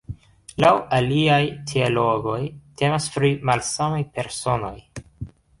Laŭ aliaj teologoj temas pri malsamaj personoj.